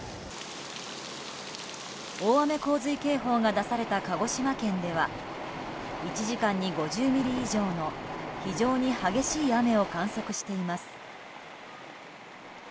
大雨・洪水警報が出された鹿児島県では１時間に５０ミリ以上の非常に激しい雨を観測しています。